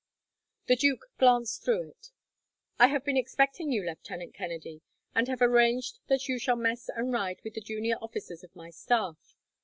The duke glanced through it. "I have been expecting you, Lieutenant Kennedy, and have arranged that you shall mess and ride with the junior officers of my staff.